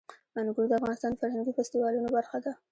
انګور د افغانستان د فرهنګي فستیوالونو برخه ده.